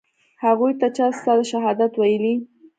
هغوى ته چا ستا د شهادت ويلي.